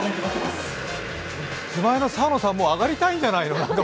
手前の澤野さん、もう上がりたいんじゃないの？